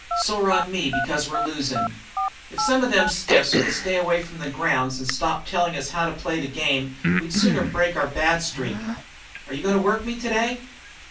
Sore on me, because we're losin'." "If some of those stiffs would stay away from the grounds and stop telling us how to play the game we'd sooner break our bad streak. Are you going to work me today?"